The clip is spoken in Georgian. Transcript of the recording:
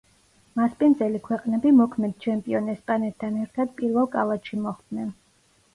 მასპინძელი ქვეყნები მოქმედ ჩემპიონ ესპანეთთან ერთად პირველ კალათში მოხვდნენ.